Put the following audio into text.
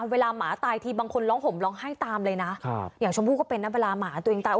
หมาตายทีบางคนร้องห่มร้องไห้ตามเลยนะอย่างชมพู่ก็เป็นนะเวลาหมาตัวเองตาย